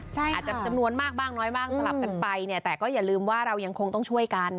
อาจจะจำนวนมากบ้างน้อยบ้างสลับกันไปเนี่ยแต่ก็อย่าลืมว่าเรายังคงต้องช่วยกัน